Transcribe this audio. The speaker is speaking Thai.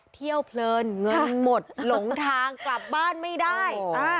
เที่ยวเพลินเงินหมดหลงทางกลับบ้านไม่ได้